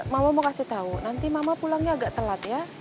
mama mau kasih tahu nanti mama pulangnya agak telat ya